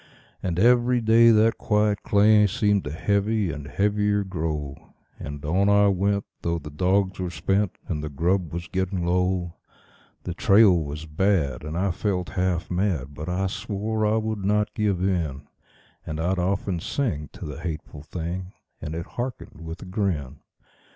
And every day that quiet clay seemed to heavy and heavier grow; And on I went, though the dogs were spent and the grub was getting low; The trail was bad, and I felt half mad, but I swore I would not give in; And I'd often sing to the hateful thing, and it hearkened with a grin.